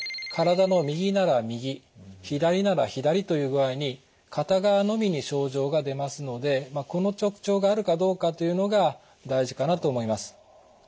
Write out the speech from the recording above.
体の右なら右左なら左という具合に片側のみに症状が出ますのでこの特徴があるかどうかというのが大事かなと思います。